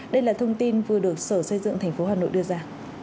đây là thông tin vừa được sở xây dựng tp hà nội đưa ra